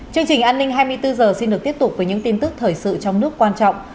chương trình an ninh hai mươi bốn h xin được tiếp tục với những tin tức thời sự trong nước quan trọng